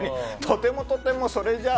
とても、とてもそれじゃ。